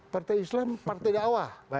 partai islam partai da'wah